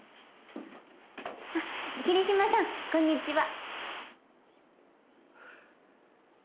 あっ桐島さんこんにちは。